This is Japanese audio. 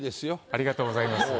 ありがとうございます。